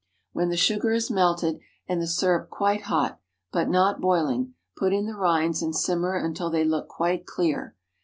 When the sugar is melted and the syrup quite hot, but not boiling, put in the rinds and simmer until they look quite clear.